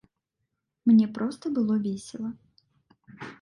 Мне проста было весела.